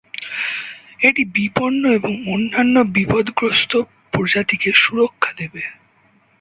এটি বিপন্ন এবং অন্যান্য বিপদগ্রস্ত প্রজাতিকে সুরক্ষা দেবে।